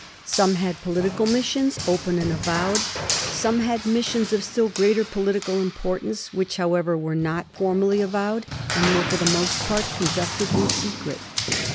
Some had political missions, open and avowed ; some had missions of stiU greater political importance, which, however, were not formally avowed, and were for the most part conducted in secret.